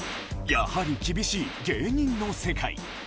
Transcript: やはり厳しい芸人の世界。